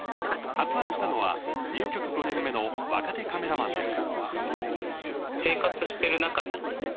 発案したのは入局５年目の若手カメラマンです。